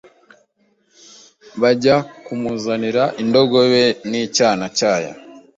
Bajjya kumuzanira indogobe n'icyana cyayo.